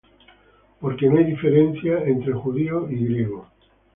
Porque no hay diferencia de Judío y de Griego: